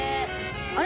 あれ？